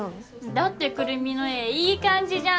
だってくるみの絵いい感じじゃん。